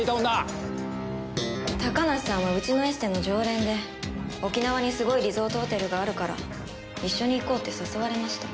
高梨さんはうちのエステの常連で沖縄にすごいリゾートホテルがあるから一緒に行こうって誘われました。